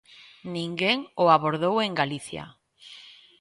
Ninguén o abordou en Galicia.